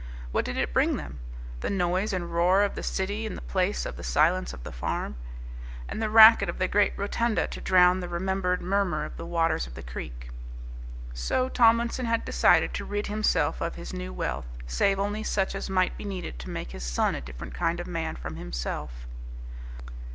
What did it bring them? The noise and roar of the City in place of the silence of the farm and the racket of the great rotunda to drown the remembered murmur of the waters of the creek. So Tomlinson had decided to rid himself of his new wealth, save only such as might be needed to make his son a different kind of man from himself.